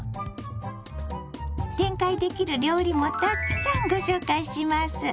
展開できる料理もたくさんご紹介します。